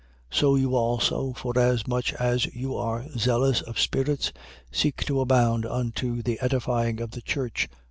14:12. So you also, forasmuch as you are zealous of spirits, seek to abound unto the edifying of the church.